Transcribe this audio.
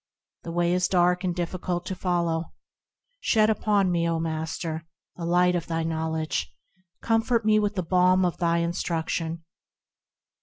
The way is dark and difficult to follow ; Shed upon me, O Master ! the light of thy knowledge, Comfort me with the balm of thy instruction.